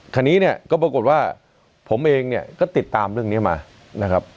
คราวนี้เนี่ยก็ปรากฏว่าผมเองเนี่ยก็ติดตามเรื่องนี้มานะครับ